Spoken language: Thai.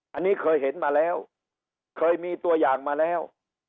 อันนี้เคยเห็นมาแล้วเคยมีตัวอย่างมาแล้ว